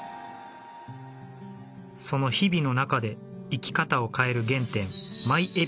その日々の中で生き方を変える原点